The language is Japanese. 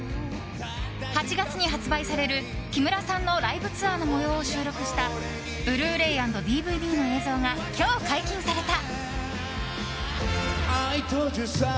８月に発売される木村さんのライブツアーの模様を収録したブルーレイ＆ＤＶＤの映像が今日解禁された。